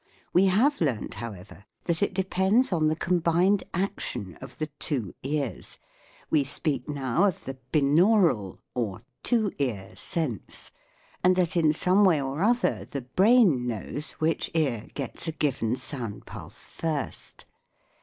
We have learnt, however, that it depends on the combined action of the two ears, we speak now of the " binaural " or " two ear" sense, and that in some way or other the brain knows which ear gets a given sound pulse first.